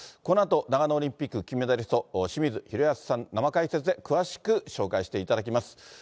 このあと、長野オリンピック金メダリスト、清水宏保さん、生解説で詳しく紹介していただきます。